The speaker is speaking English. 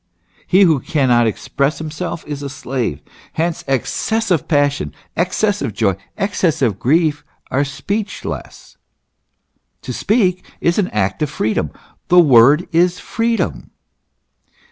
He who cannot express himself is a slave. Hence, excessive passion, excessive joy, excessive grief, are speechless. To speak is an act of freedom ; the word is freedom.